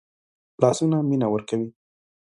لاسونه مینه ورکوي